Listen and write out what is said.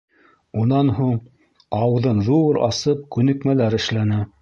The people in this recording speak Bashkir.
Унан һуң, ауыҙын ҙур асып күнекмәләр эшләне.